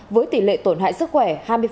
với tỷ lệ tổn hại sức khỏe hai mươi